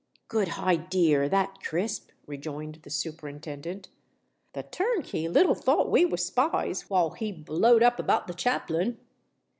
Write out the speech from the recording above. "Good hidear, that, Crisp," rejoined the Superintendent. "The turnkey little thought we was spies, while he blowed up about the chaplain."